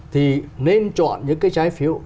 thì nên chọn những trái phiếu